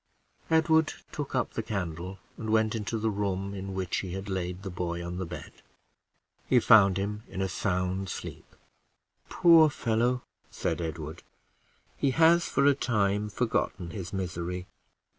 Edward took up the candle and went into the room in which he had laid the boy on the bed. He found him in a sound sleep. "Poor fellow," said Edward, "he has for a time forgotten his misery.